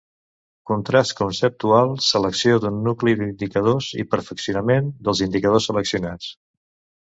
Contrast conceptual, selecció d'un nucli d'indicadors i perfeccionament dels indicadors seleccionats.